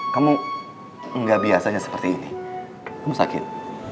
kamu nggak biasanya seperti ini kamu sakit